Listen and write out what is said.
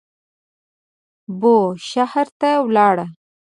بوشهر ته ولاړ.